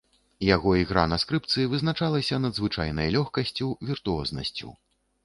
Яго ігра на скрыпцы вызначалася надзвычайнай лёгкасцю, віртуознасцю.